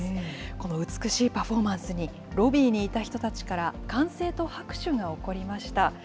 この美しいパフォーマンスに、ロビーにいた人たちから歓声と拍手が起こりました。